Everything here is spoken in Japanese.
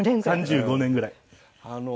３５年ぐらい。